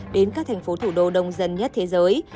đến các thành phố thủ đô đông dân nhất thế giới